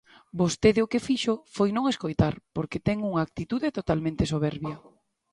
Vostede o que fixo foi non escoitar, porque ten unha actitude totalmente soberbia.